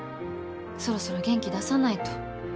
そろそろ元気出さないと。